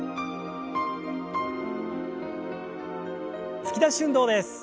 突き出し運動です。